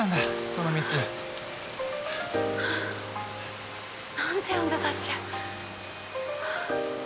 この道。なんて呼んでたっけ？